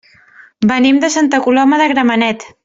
Venim de Santa Coloma de Gramenet.